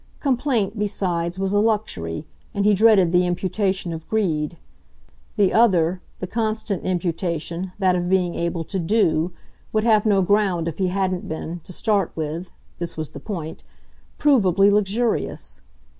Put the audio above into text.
Complaint, besides, was a luxury, and he dreaded the imputation of greed. The other, the constant imputation, that of being able to "do," would have no ground if he hadn't been, to start with this was the point provably luxurious.